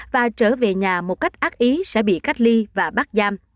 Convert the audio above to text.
và trở về nhà một cách ác ý sẽ bị cách ly và bắt giam